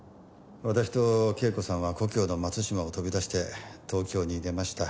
私と啓子さんは故郷の松島を飛び出して東京に出ました。